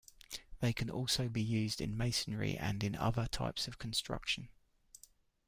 They can also be used in masonry and in other types of construction.